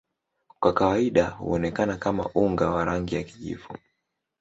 Kwa kawaida huonekana kama unga wa rangi ya kijivu.